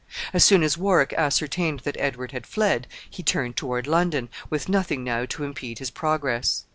As soon as Warwick ascertained that Edward had fled, he turned toward London, with nothing now to impede his progress.